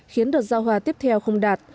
khiến đợt giao hoa tiếp theo không đạt